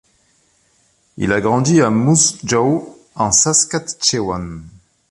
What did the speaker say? Il a grandi à Moose Jaw en Saskatchewan.